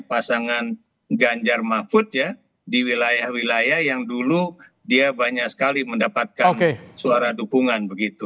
pasangan ganjar mahfud ya di wilayah wilayah yang dulu dia banyak sekali mendapatkan suara dukungan